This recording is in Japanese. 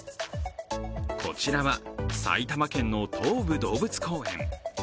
こちらは埼玉県の東武動物公園。